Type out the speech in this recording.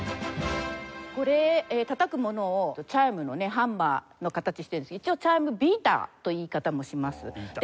これたたくものをチャイムのねハンマーの形してるんですけど一応チャイムビーターという言い方もします。